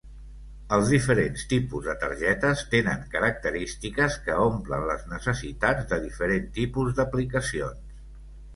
Els diferents tipus de targetes tenen característiques que omplen les necessitats de diferents tipus d'aplicacions.